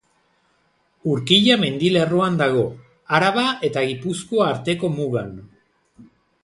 Urkilla mendilerroan dago, Araba eta Gipuzkoa arteko mugan.